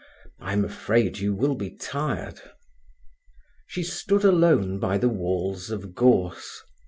I am afraid you will be tired." She stood alone by the walls of gorse.